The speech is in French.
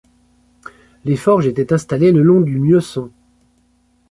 Les forges étaient installées le long du Miosson.